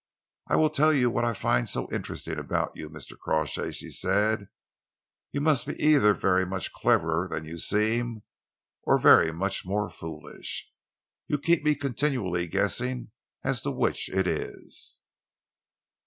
"I will tell you what I find so interesting about you, Mr. Crawshay," she said. "You must be either very much cleverer than you seem, or very much more foolish. You keep me continually guessing as to which it is."